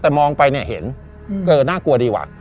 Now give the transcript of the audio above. แต่มองไปเนี่ยเห็นเออน่ากลัวดีว่ะ